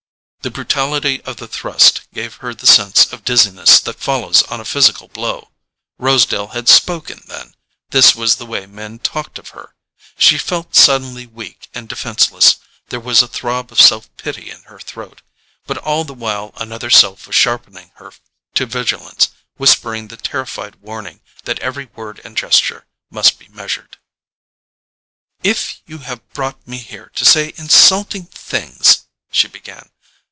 The brutality of the thrust gave her the sense of dizziness that follows on a physical blow. Rosedale had spoken then—this was the way men talked of her—She felt suddenly weak and defenceless: there was a throb of self pity in her throat. But all the while another self was sharpening her to vigilance, whispering the terrified warning that every word and gesture must be measured. "If you have brought me here to say insulting things——" she began.